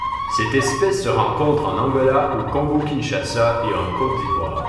Cette espèce se rencontre en Angola, au Congo-Kinshasa et en Côte d'Ivoire.